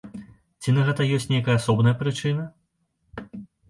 Ці на гэта ёсць нейкая асобная прычына?